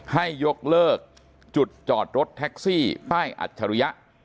ให้ยกเลิกจุดจอดรถแท็กซี่ป้ายอัจฉริยะ